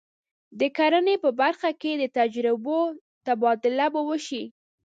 د کرنې په برخه کې د تجربو تبادله به وشي.